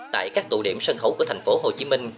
tại các tụ điểm sân khấu của thành phố hồ chí minh